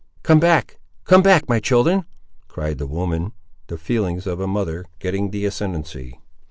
"Come back, come back, my children!" cried the woman, the feelings of a mother getting the ascendency.